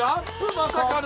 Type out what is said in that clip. まさかの！